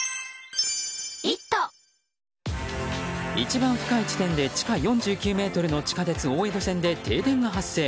一番深い地点で地下４９ｍの大江戸線で停電が発生。